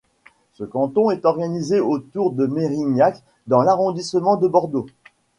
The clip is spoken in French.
Ce canton est organisé autour de Mérignac dans l'arrondissement de Bordeaux.